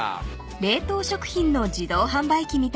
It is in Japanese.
［冷凍食品の自動販売機みたいですよ］